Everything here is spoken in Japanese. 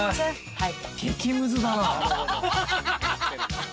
はい。